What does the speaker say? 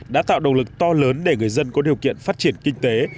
đã tạo động lực to lớn để người dân có điều kiện phát triển kinh tế